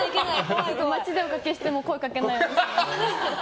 街でお見かけしても声かけないようにします。